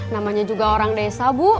namanya juga orang desa bu